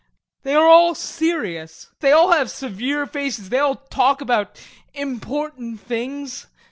They are all serious, they all have severe faces, they all talk about important things.